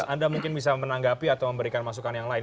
anda mungkin bisa menanggapi atau memberikan masukan yang lain